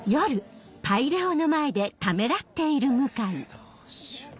えどうしよう。